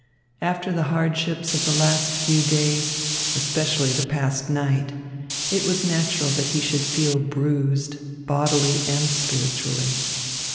After the hardships of the last few days, especially the past night, it was natural that he should feel bruised, bodily and spiritually.